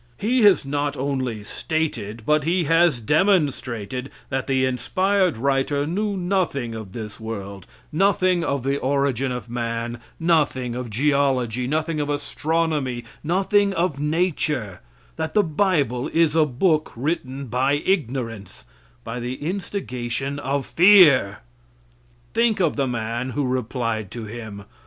He has not only stated, but he has demonstrated, that the inspired writer knew nothing of this world, nothing of the origin of man, nothing of geology, nothing of astronomy, nothing of nature; that the bible is a book written by ignorance by the instigation of fear! Think of the man who replied to him.